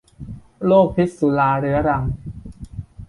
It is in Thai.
โรคพิษสุราเรื้อรัง